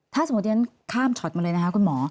ถ้าสมมติข้ามช็อตมาเลยคุณหมอ